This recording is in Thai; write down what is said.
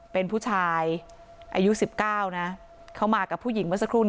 เป็นผู้ชายอายุ๑๙นะเขามากับผู้หญิงเมื่อสักครู่นี้